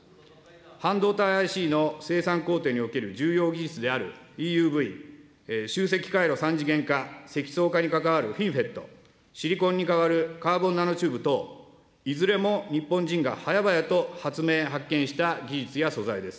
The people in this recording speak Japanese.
半導体ＩＣの生産工程における重要技術であるＥＵＶ、集積回路三次元化、積層化に関わるＦｉｎＦＥＴ、シリコンに代わるカーボンナノチューブ等、いずれも日本人が早々と発明、発見した技術や素材です。